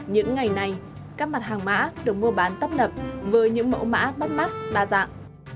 những ngày này các mặt hàng mã được mua bán tấp nập với những mẫu mã bắt mắt đa dạng